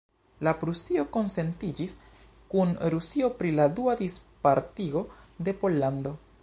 La Prusio konsentiĝis kun Rusio pri la dua dispartigo de Pollando.